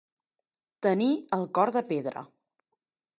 Tenir el cor de pedra.